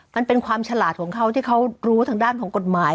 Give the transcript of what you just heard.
มันเป็นความฉลาดของเขาที่เขารู้ทางด้านของกฎหมาย